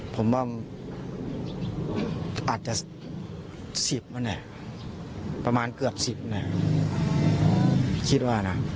ผมว่าอาจจะสิบอันนี้ประมาณเกือบสิบอันนี้คิดว่าน่ะ